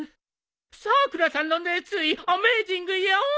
さくらさんの熱意アメイジングよ！